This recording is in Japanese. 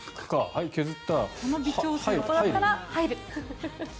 はい、削った、入る。